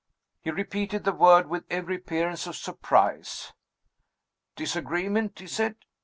"He repeated the word with every appearance of surprise. 'Disagreement?' he said.